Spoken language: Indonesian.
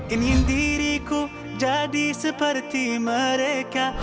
ingin diriku jadi seperti mereka